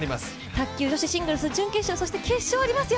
卓球女子シングルス準決勝そして決勝ありますよ。